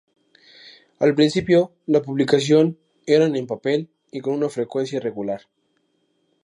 Al principio, la publicación eran en papel y con una frecuencia irregular.